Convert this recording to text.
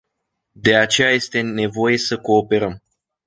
De aceea este nevoie să cooperăm.